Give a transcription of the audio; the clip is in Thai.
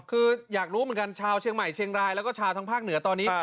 คืออยากรู้เหมือนกันชาวเชียงใหม่เชียงรายแล้วก็ชาวทางภาคเหนือตอนนี้